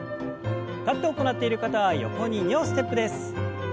立って行っている方は横に２歩ステップです。